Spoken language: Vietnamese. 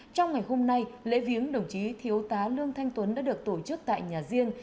trong ngày hôm nay lễ viếng đồng chí thiếu tá lương thanh tuấn đã được tổ chức tại nhà riêng